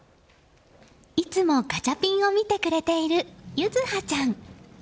いつもガチャピンを見てくれている柚羽ちゃん。